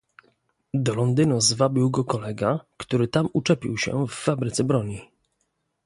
"Do Londynu zwabił go kolega, który tam uczepił się w fabryce broni."